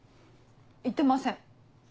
言ってません。